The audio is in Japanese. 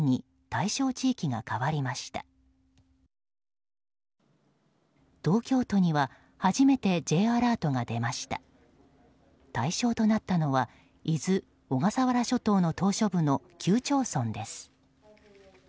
対象となったのは伊豆、小笠原諸島の島しょ部の９町村です。